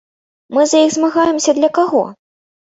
Мы за іх змагаемся для каго?